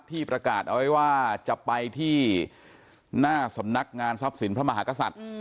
ที่ประกาศเอาไว้ว่าจะไปที่หน้าสำนักงานทรัพย์สินพระมหากษัตริย์